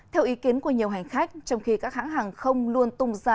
theo ý kiến của nhiều hành khách trong khi các hãng hàng không luôn tung ra